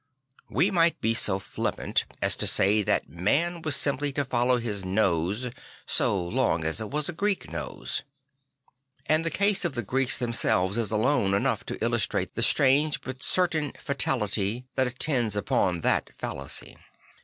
We might be so flippant as to say that man was simply to follow his nose, so long as it was a Greek nose. And the case of 28 St. Francis of Assisi the Greeks themselves is alone enough to illustrate the strange but certain fatality that attends upon this fallacy.